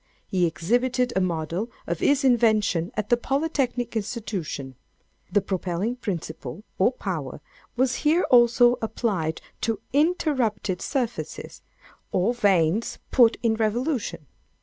He exhibited a model of his invention at the Polytechnic Institution. The propelling principle, or power, was here, also, applied to interrupted surfaces, or vanes, put in revolution.